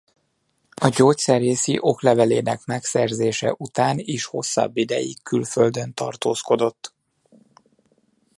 A gyógyszerészi oklevélének megszerzése után is hosszabb ideig külföldön tartózkodott.